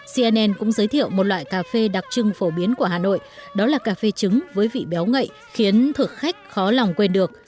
cnn cũng giới thiệu một loại cà phê đặc trưng phổ biến của hà nội đó là cà phê trứng với vị béo ngậy khiến thực khách khó lòng quên được